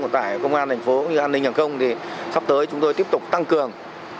tại công an thành phố an ninh hàng không thì sắp tới chúng tôi tiếp tục tăng cường